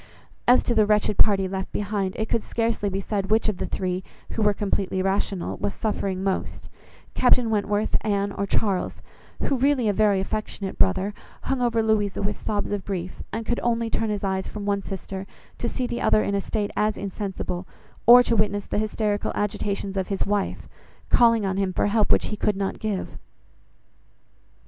As to the wretched party left behind, it could scarcely be said which of the three, who were completely rational, was suffering most: Captain Wentworth, Anne, or Charles, who, really a very affectionate brother, hung over Louisa with sobs of grief, and could only turn his eyes from one sister, to see the other in a state as insensible, or to witness the hysterical agitations of his wife, calling on him for help which he could not give.